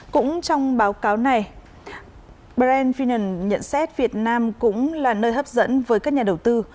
cũng trong báo cáo này brand finance nhận xét việt nam cũng là nơi hấp dẫn với các nhà đầu tư